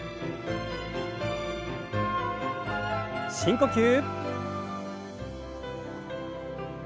深呼吸。